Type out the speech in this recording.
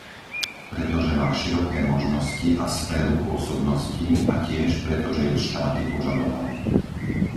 Pretože má široké možnosti a sféru pôsobnosti, a tiež pretože ju štáty požadovali.